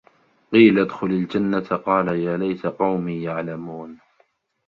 قيلَ ادخُلِ الجَنَّةَ قالَ يا لَيتَ قَومي يَعلَمونَ